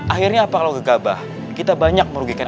akhirnya apa kalau gegabah kita banyak merugikan